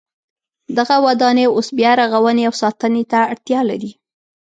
دغه ودانۍ اوس بیا رغونې او ساتنې ته اړتیا لري.